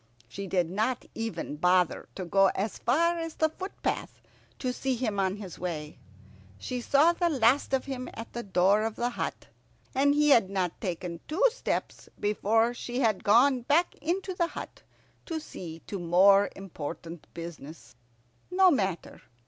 She did not even bother to go as far as the footpath to see him on his way. She saw the last of him at the door of the hut, and he had not taken two steps before she had gone back into the hut to see to more important business. No matter.